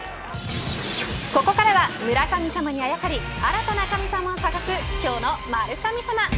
ここからは村神様にあやかり新たな神様を探す今日の○神様。